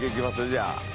じゃあ。